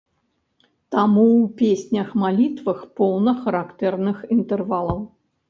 Таму ў песнях-малітвах поўна характэрных інтэрвалаў.